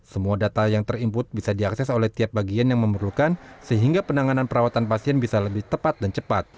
semua data yang ter input bisa diakses oleh tiap bagian yang memerlukan sehingga penanganan perawatan pasien bisa lebih tepat dan cepat